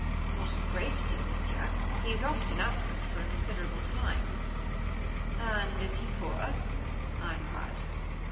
"Not a great deal, Monsieur; he is often absent for a considerable time." "And is he poor?" I inquired.